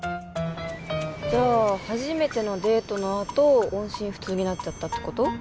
じゃあ初めてのデートのあと音信不通になっちゃったってこと？